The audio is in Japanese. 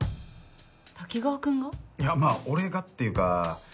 滝川君が？いやまあ俺がっていうか